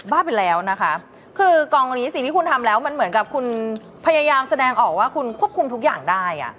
บ้าไปแล้วนะคะคือกองนี้สิ่งที่คุณทำแล้วมันเหมือนกับคุณพยายามแสดงออกว่าคุณควบคุมทุกอย่างได้อ่ะ